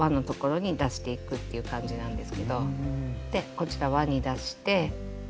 こちら輪に出して。